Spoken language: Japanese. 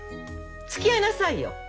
つきあいなさいよ。